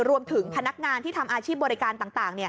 รวมถึงพนักงานที่ทำอาชีพบริการต่าง